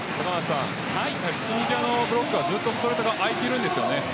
チュニジアのブロックはずっとストレート側空いているんですね。